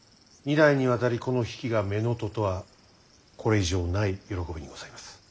二代にわたりこの比企が乳母とはこれ以上ない喜びにございます。